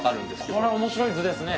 これ面白い図ですね。